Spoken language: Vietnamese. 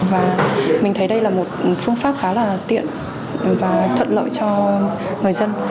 và mình thấy đây là một phương pháp khá là tiện và thuận lợi cho người dân